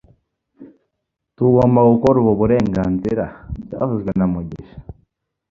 Tugomba gukora ubu burenganzira byavuzwe na mugisha